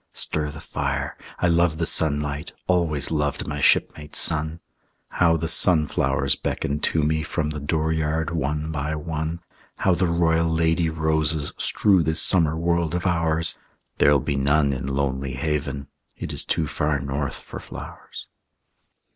Stir the fire.... I love the sunlight, Always loved my shipmate sun. How the sunflowers beckon to me From the dooryard one by one! How the royal lady roses Strew this summer world of ours! There'll be none in Lonely Haven; It is too far north for flowers.